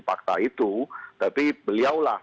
fakta itu tapi beliaulah